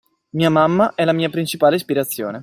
Mia mamma è la mia principale ispirazione.